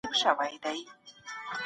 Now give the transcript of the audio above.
غرغښت د پروټ سره بازۍ کوي